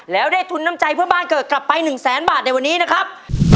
แล้วได้ทุนน้ำใจเพื่อบ้านเกิดกลับไป๑แสนบาทในวันนี้นะครับ